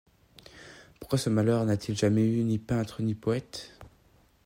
Pourquoi ce malheur n’a-t-il jamais eu ni peintre ni poète?